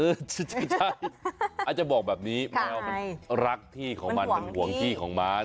เออใช่อาจจะบอกแบบนี้แมวรักที่ของมันหวังที่ของมัน